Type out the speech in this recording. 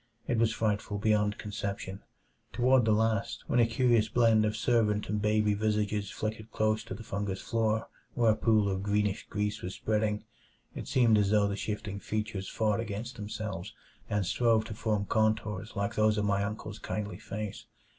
It was frightful beyond conception; toward the last, when a curious blend of servant and baby visages flickered close to the fungous floor where a pool of greenish grease was spreading, it seemed as though the shifting features fought against themselves and strove to form contours like those of my uncle's kindly face.